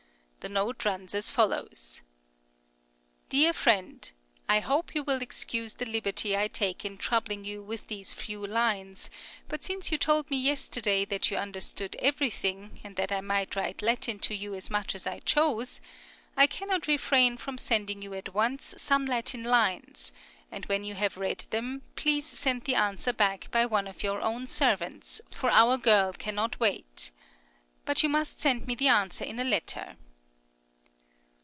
The note runs as follows: Dear Friend, I hope you will excuse the liberty I take in troubling you with these few lines; but since you told me yesterday that you understood everything, and that I might write Latin to you as much as I chose, I cannot refrain from sending you at once some Latin lines, and when you have read them please send the answer back by one of your own servants, for our girl cannot wait. (But you must send me the answer in a letter.)